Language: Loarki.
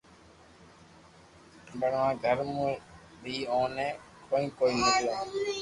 پئچوا گھر مون بي اوني ڪوئي ڪوئي ميليو